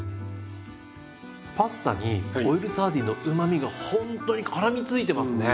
パスタにオイルサーディンのうまみがほんとにからみついてますね。